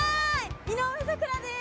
井上咲楽です。